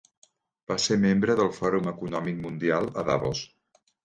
Va ser membre del Fòrum Econòmic Mundial a Davos.